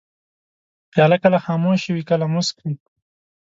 پیاله کله خاموشه وي، کله موسک وي.